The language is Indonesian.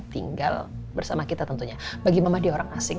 tinggal bersama kita tentunya bagi mama dia orang asing